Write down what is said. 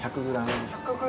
１００ｇ。